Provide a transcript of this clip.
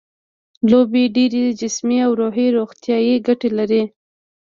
لوبې ډېرې جسمي او روحي روغتیايي ګټې لري.